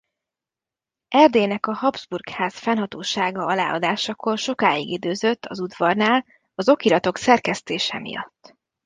Erdélynek a Habsburg-ház fennhatósága alá adásakor sokáig időzött az udvarnál az okiratok szerkesztése miatt.